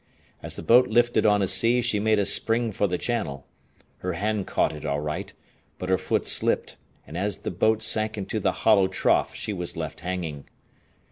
As the boat lifted on a sea she made a spring for the channel. Her hand caught it all right, but her foot slipped, and as the boat sank into the hollow trough she was left hanging.